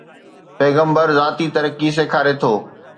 پيغمبر ذاتي ترقي سيکاري ٿو.